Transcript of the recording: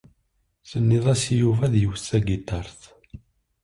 Tennid-as i Yuba ad iwet tagiṭart.